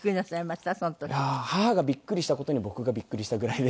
いやー母がびっくりした事に僕がびっくりしたぐらいで。